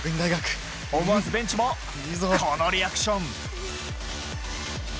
思わずベンチもこのリアクション。